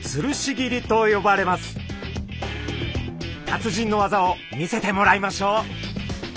達人の技を見せてもらいましょう。